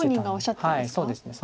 そうですね。